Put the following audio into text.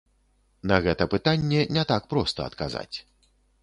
На гэта пытанне не так проста адказаць.